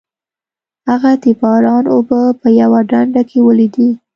هغه د باران اوبه په یوه ډنډ کې ولیدې.